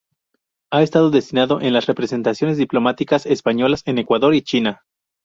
Ha estado destinado en las representaciones diplomáticas españolas en Ecuador y China.